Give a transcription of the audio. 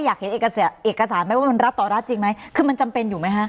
อยากเห็นเอกสารไหมว่ามันรับต่อรัฐจริงไหมคือมันจำเป็นอยู่ไหมคะ